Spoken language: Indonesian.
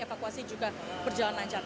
evakuasi juga berjalan lancar